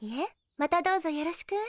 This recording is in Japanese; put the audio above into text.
またどうぞよろしく。